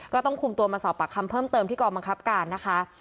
ก็ต้องคุมตัวมาสอบปากคำเพิ่มเติมที่กองบังคับการนะคะ